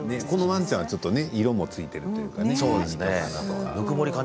このワンちゃんはちょっと色がついてるというか。